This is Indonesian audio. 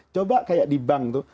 coba kayak di bank tuh